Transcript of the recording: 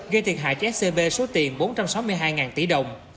gây thiệt hại cho scb số tiền bốn trăm sáu mươi hai tỷ đồng